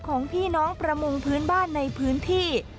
ของพี่น้องประมงพื้นบ้านในพื้นที่